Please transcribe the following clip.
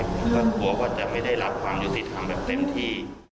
กลัวว่าจะไม่ได้รับความยุติธรรมแบบเต็มที่